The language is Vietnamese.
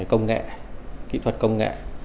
công nghệ kỹ thuật công nghệ